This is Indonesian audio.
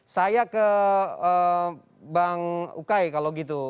saya ke bang ukay kalau gitu